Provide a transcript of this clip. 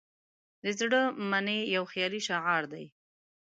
"د زړه منئ" یو خیالي شعار دی.